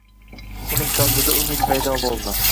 Unig qalbida umid paydo bo`ldi